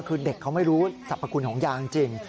คือเด็กเขาไม่รู้สรรพคุณของยาจริง